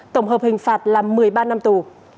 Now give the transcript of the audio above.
tổng hợp hình phạt là một mươi ba năm tù